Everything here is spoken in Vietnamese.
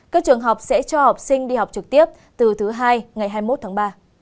các trường học sẽ cho học sinh đi học trực tiếp từ thứ hai ngày hai mươi một tháng ba